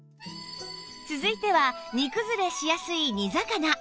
続いては煮崩れしやすい煮魚